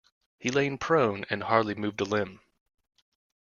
He lay prone and hardly moved a limb.